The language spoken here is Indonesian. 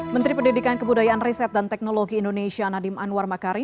menteri pendidikan kebudayaan riset dan teknologi indonesia nadiem anwar makari